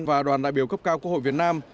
và đoàn đại biểu cấp cao quốc hội việt nam